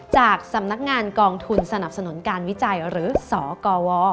จากสำนักงานกองทุนสนับสนุนการวิจัยหรือสกว